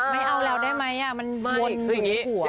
ไม่เอาแล้วได้ไหมมันวนอยู่ในหัว